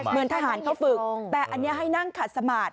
เหมือนทหารเขาฝึกแต่อันนี้ให้นั่งขัดสมาธิ